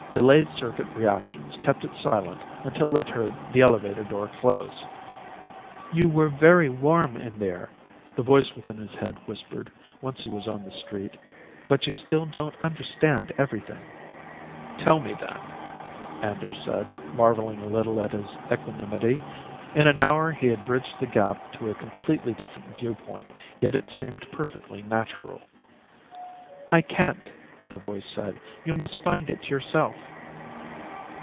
Delayed circuit reactions kept it silent until it heard the elevator door close. "You were very warm in there," the voice within his head whispered, once he was on the street. "But you still don't understand everything." "Tell me, then," Anders said, marveling a little at his equanimity. In an hour he had bridged the gap to a completely different viewpoint, yet it seemed perfectly natural. "I can't," the voice said. "You must find it yourself."